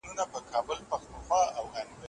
لکه شرنګ پر ګودرونو د پاولیو